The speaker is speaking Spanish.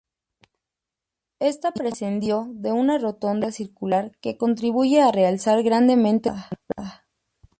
Está precedido de una rotonda circular que contribuye a realzar grandemente su entrada.